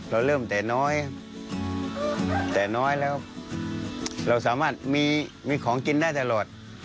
เราเริ่มแต่น้อยแต่น้อยแล้วเราสามารถมีของกินได้ตลอด